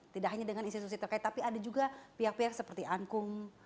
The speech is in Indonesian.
tidak hanya dengan institusi terkait tapi ada juga pihak pihak seperti ankung